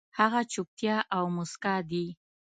هغه چوپتيا او موسکا دي